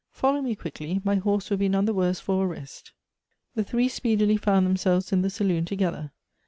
Follow me quickly, my horse will be none the worse for a rest." The three speedily found themselves in the saloon to gether.